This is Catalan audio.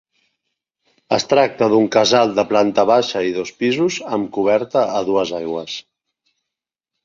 Es tracta d'un casal de planta baixa i dos pisos amb coberta a dues aigües.